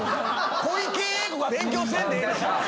小池栄子が勉強せんでええねん。